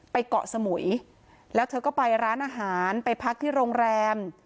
เกาะสมุยแล้วเธอก็ไปร้านอาหารไปพักที่โรงแรม